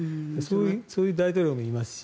そういう大統領もいますし。